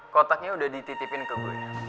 kotaknya udah dititipin ke gue